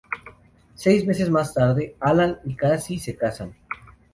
Seis meses más tarde, Alan y Cassie se casan.